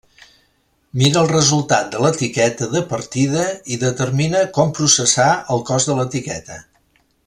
Mira el resultat de l'etiqueta de partida i determina com processar el cos de l'etiqueta.